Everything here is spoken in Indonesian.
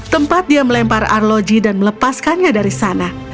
tempat dia melempar arloji dan melepaskannya dari sana